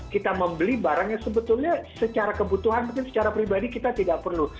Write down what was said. kita membeli barang yang sebetulnya secara kebutuhan mungkin secara pribadi kita tidak perlu